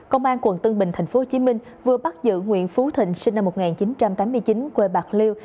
công an quận tân bình tp hcm vừa bắt giữ nguyễn phú thịnh sinh năm một nghìn chín trăm tám mươi chín quê bạc liêu